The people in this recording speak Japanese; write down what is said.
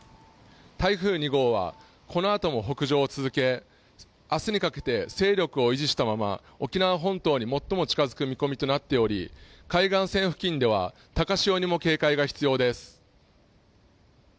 台風２号はこのあとも北上を続け、明日にかけて勢力を維持したまま、沖縄本島に最も近づく見込みとなっており、海岸線付近では高潮にも警戒が必要です。